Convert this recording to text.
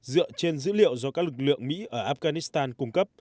dựa trên dữ liệu do các lực lượng mỹ ở afghanistan cung cấp